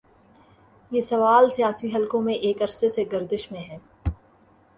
یہ سوال سیاسی حلقوں میں ایک عرصے سے گردش میں ہے۔